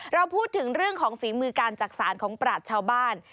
เราพูดถึงเรื่องของฝีมือการจักษานของปราศชาวบ้าน